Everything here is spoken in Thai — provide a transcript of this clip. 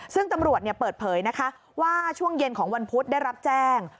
ซึ่งตำรวจเปิดเผยนะคะว่าช่วงเย็นของวันพุธได้รับแจ้ง